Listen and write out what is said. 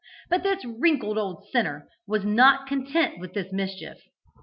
But this wrinkled old sinner was not content with this mischief.